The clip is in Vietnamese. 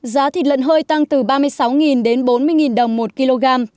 giá thịt lợn hơi tăng từ ba mươi sáu đến bốn mươi đồng một kg